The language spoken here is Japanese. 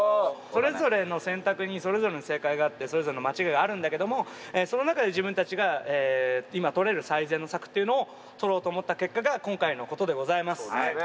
それぞれの選択にそれぞれの正解があってそれぞれの間違いがあるんだけどもその中で自分たちが今とれる最善の策っていうのをとろうと思った結果が今回のことでございます。